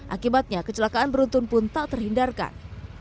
akibatnya kecelakaan beruntun pun tak terhindarkan